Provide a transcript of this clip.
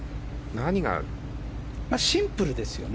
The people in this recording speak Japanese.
シンプルですよね。